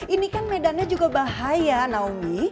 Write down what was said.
ini kan medannya juga bahaya naomi